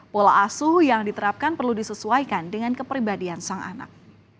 pola asuh yang diterapkan perlu disesuaikan dengan kepribadian sang anak